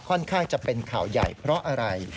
ข้างจะเป็นข่าวใหญ่เพราะอะไร